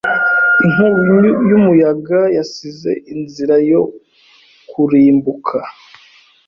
Inkubi y'umuyaga yasize inzira yo kurimbuka.